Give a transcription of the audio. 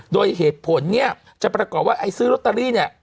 โดยเหตุผลนี้จะประกอบว่าซื้อโรตตาลี